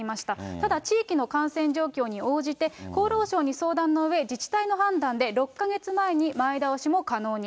ただ地域の感染状況に応じて、厚労省に相談のうえ、自治体の判断で６か月前に前倒しも可能に。